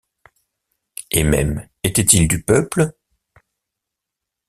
Et même était-il du peuple?